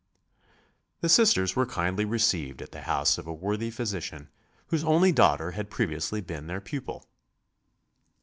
The Sisters were kindly received at the house of a worthy physician, whose only daughter had previously been their pupil.